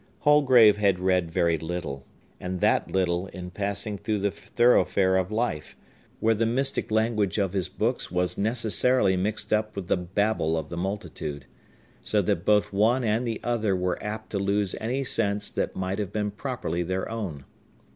Holgrave had read very little, and that little in passing through the thoroughfare of life, where the mystic language of his books was necessarily mixed up with the babble of the multitude, so that both one and the other were apt to lose any sense that might have been properly their own.